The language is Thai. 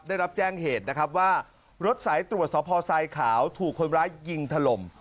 ได้รับแจ้งเหตุนะครับว่ารถสายตรวจสพทรายขาวถูกคนร้ายยิงถล่ม